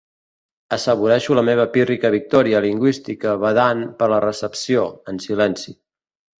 Assaboreixo la meva pírrica victòria lingüística badant per la recepció, en silenci.